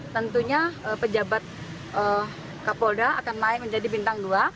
tentunya pejabat kapolda akan naik menjadi bintang dua